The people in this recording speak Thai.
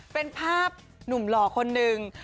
เป็นภาพหนุ่มหล่อคนหนึ่ง